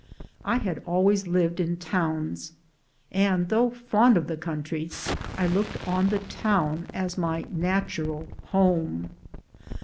I had always lived in towns, and though fond of the country I looked on the town as my natural home.